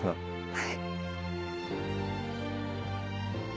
はい。